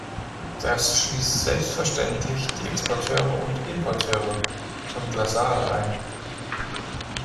Das schließt selbstverständlich die Exporteure und Importeure von Glasaal ein.